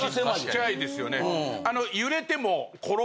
ちっちゃいですよね。